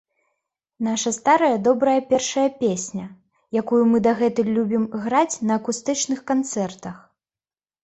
Нашая старая добрая першая песня, якую мы дагэтуль любім граць на акустычных канцэртах.